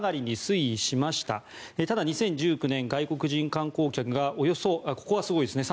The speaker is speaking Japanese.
ただ、２０１９年外国人観光客がおよそここがすごいですね。